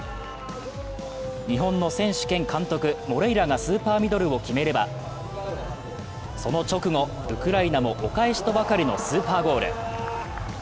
日本の選手権監督・茂怜羅がスーパーミドルを決めれば、その直後、ウクライナもお返しとばかりのスーパーゴール。